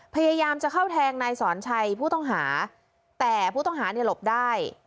พยายามจะเข้าแทงนายสอนชัยผู้ต้องหาแต่ผู้ต้องหาเนี่ยหลบได้